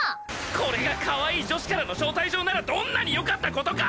これがかわいい女子からの招待状ならどんなによかった事か！！